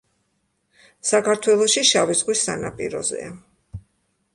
საქართველოში შავი ზღვის სანაპიროზეა.